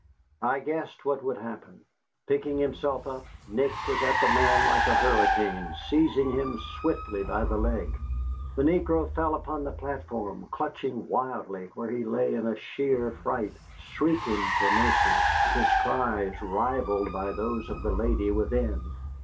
I guessed what would happen. Picking himself up, Nick was at the man like a hurricane, seizing him swiftly by the leg. The negro fell upon the platform, clutching wildly, where he lay in a sheer fright, shrieking for mercy, his cries rivalled by those of the lady within.